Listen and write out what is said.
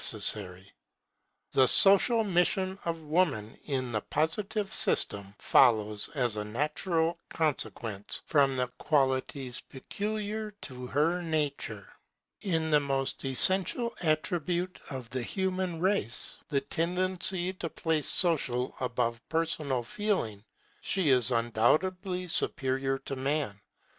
Like philosophers and people, their part is not to govern, but to modify] The social mission of woman in the Positive system follows as a natural consequence from the qualities peculiar to her nature. In the most essential attribute of the human race, the tendency to place social above personal feeling, she is undoubtedly superior to man.